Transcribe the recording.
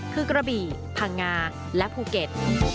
คือกระบี่พังงาและภูเก็ต